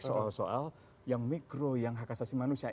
soal soal yang mikro yang hak asasi manusia